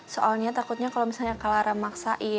soalnya takutnya kalau misalnya kalara maksain